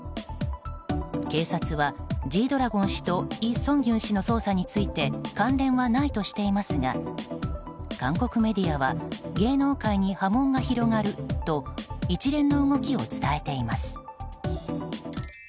警察はＧ‐ＤＲＡＧＯＮ氏とイ・ソンギュン氏の関連はないとしていますが韓国メディアは芸能界に波紋が広がると一連の動きを伝えています。